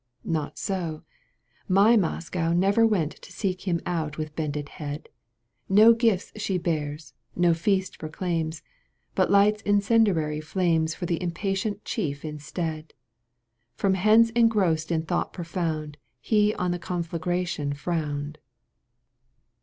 Not so ! My Moscow never went To seek him out with bended head. No gift she bears, no feast proclaims. But lights incendiary flames For the impatient chief instead. From hence engrossed in thought profound He on the conflagration frowned.